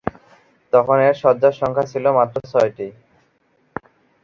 তখন এর শয্যার সংখ্যা ছিল মাত্র ছয়টি।